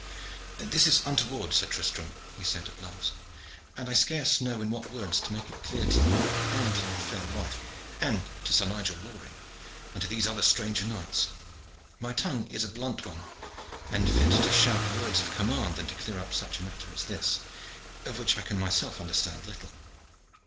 "This is untoward, Sir Tristram," he said at last. "And I scarce know in what words to make it clear to you, and to your fair wife, and to Sir Nigel Loring, and to these other stranger knights. My tongue is a blunt one, and fitter to shout word of command than to clear up such a matter as this, of which I can myself understand little.